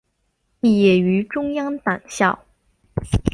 毕业于中央党校。